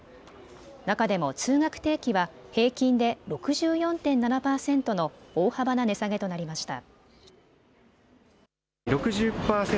中でも通学定期は平均で６４．７％の大幅な値下げとなりました。